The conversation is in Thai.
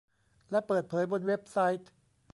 และเปิดเผยบนเว็บไซต์